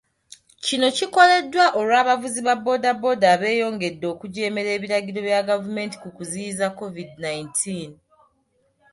Kino kikoleddwa olw'abavuzi ba boda boda abeeyongedde okujeemera ebiragiro bya gavumenti ku kuziyiza COVID nineteen